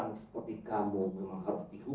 orang seperti kamu memang harus dihukum di luar pengadilan